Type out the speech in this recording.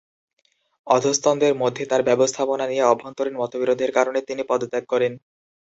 অধস্তনদের মধ্যে তাঁর ব্যবস্থাপনা নিয়ে অভ্যন্তরীণ মতবিরোধের কারণে তিনি পদত্যাগ করেন।